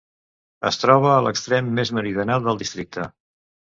Es troba a l'extrem més meridional del districte.